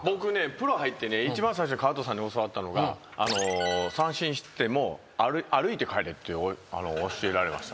プロ入ってね一番最初に川藤さんに教わったのが三振しても歩いて帰れって教えられました。